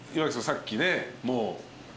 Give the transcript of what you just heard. さっきねもう。